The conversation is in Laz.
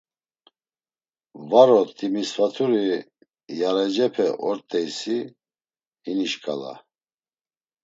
“Varo Timisvaturi yarecepe ort̆eysi, hini şǩala.”